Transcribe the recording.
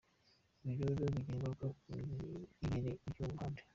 Ibi rero bigira n’ingaruka ku ibere ry’urwo ruhande.